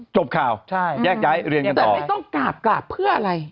จบข่าวใช่แยกย้ายเรียนแต่ไม่ต้องกราบกราบเพื่ออะไร